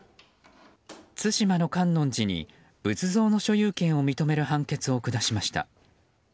対馬の観音寺に仏像の所有権を認める判決を下しました。